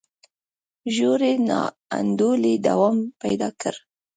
ژورې نا انډولۍ دوام پیدا کړ.